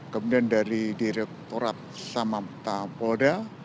kemudian dari direkturat samaptawoda